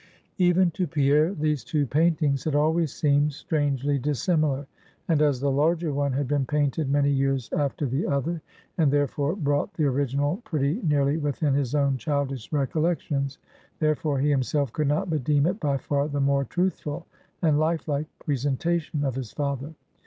Even to Pierre these two paintings had always seemed strangely dissimilar. And as the larger one had been painted many years after the other, and therefore brought the original pretty nearly within his own childish recollections; therefore, he himself could not but deem it by far the more truthful and life like presentation of his father.